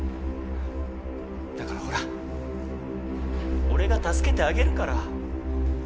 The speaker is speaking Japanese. だからほら俺が助けてあげるから。